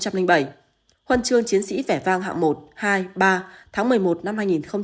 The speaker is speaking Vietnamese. huân chương chiến sĩ vẻ vang hạng một hai ba tháng một mươi một năm hai nghìn một mươi chín